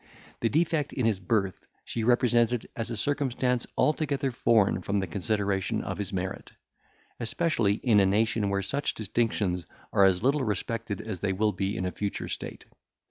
The defect in his birth she represented as a circumstance altogether foreign from the consideration of his merit; especially in a nation where such distinctions are as little respected as they will be in a future state.